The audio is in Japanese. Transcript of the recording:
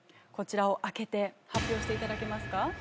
こちらを開けて発表していただけますか？